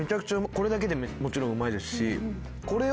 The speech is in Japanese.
これだけでもちろんうまいですし。